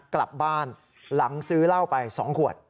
กลับบ้านหลังซื้อเหล้าไป๒ขวด